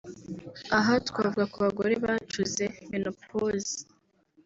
aha twavuga ku bagore bacuze (menopause)